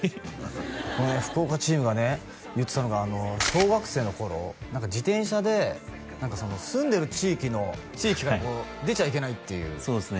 このね福岡チームがね言ってたのが小学生の頃自転車で何かその住んでる地域の地域からこう出ちゃいけないっていうそうですね